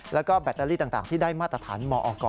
แล้วก็แบตเตอรี่ต่างที่ได้มาตรฐานมอก